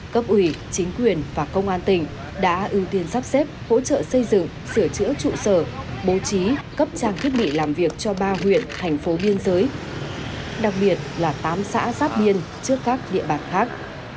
cấp ủy chính quyền và công an tỉnh đã ưu tiên sắp xếp hỗ trợ xây dựng sửa chữa trụ sở bố trí cấp trang thiết bị làm việc cho ba huyện thành phố biên giới đặc biệt là tám xã giáp biên trước các địa bàn khác